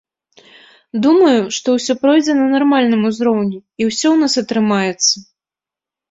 Думаю, што ўсё пройдзе на нармальным узроўні, і ўсё ў нас атрымаецца!